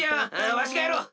わしがやろう！